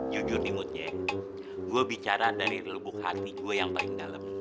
jujur nih mudnya gue bicara dari lebuk hati gue yang paling dalam